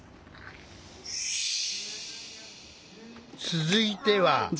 続いては。